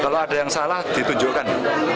kalau ada yang salah ditunjukkan